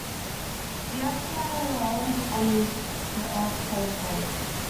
The X-Men land on the Earth safely.